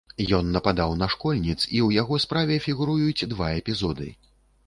Ён нападаў на школьніц і у яго справе фігуруюць два эпізоды.